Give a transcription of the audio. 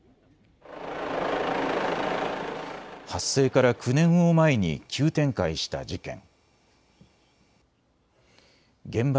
発生からから９年を前に急展開した事件。